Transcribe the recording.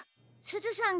すずさん